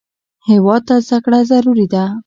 هېواد ته زده کړه ضروري ده